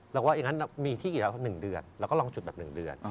แล้วว่าอย่างนั้นมีที่กี่แล้ว๑เดือนแล้วก็ลองจุดแบบ๑เดือน